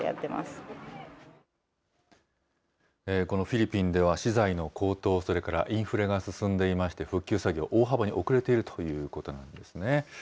このフィリピンでは、資材の高騰、それからインフレが進んでいまして、復旧作業、大幅に遅れているということなんですね。